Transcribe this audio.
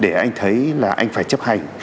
để anh thấy là anh phải chấp hành